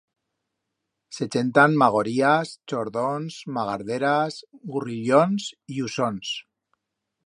Se chentan magorías, chordons, magarderas, gurrillons y usons.